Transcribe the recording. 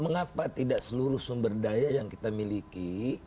mengapa tidak seluruh sumber daya yang kita miliki